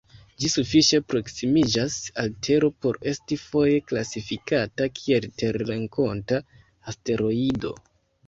Ĝi sufiĉe proksimiĝas al Tero por esti foje klasifikata kiel terrenkonta asteroido.